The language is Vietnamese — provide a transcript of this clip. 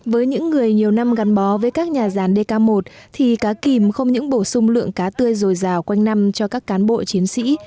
với những người nhiều năm gắn bó với các nhà ràn dk một thì cá kìm không những bổ sung lượng cá tươi dồi dào quanh năm cho các cán bộ chiến sĩ